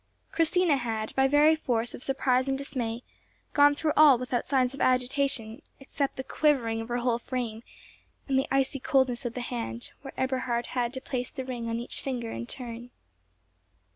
Christina had, by very force of surprise and dismay, gone through all without signs of agitation, except the quivering of her whole frame, and the icy coldness of the hand, where Eberhard had to place the ring on each finger in turn.